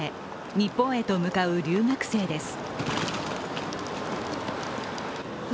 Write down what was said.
日本へと向かう留学生です。